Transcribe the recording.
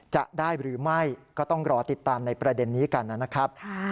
จะได้หรือไม่ก็ต้องรอติดตามในประเด็นนี้กันนะครับ